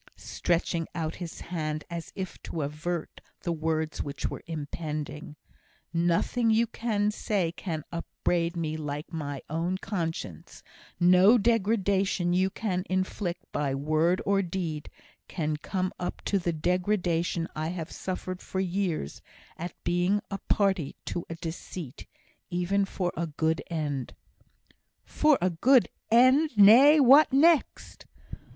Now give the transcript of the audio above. (stretching out his hand as if to avert the words which were impending). "Nothing you can say, can upbraid me like my own conscience; no degradation you can inflict, by word or deed, can come up to the degradation I have suffered for years, at being a party to a deceit, even for a good end " "For a good end! Nay! what next?"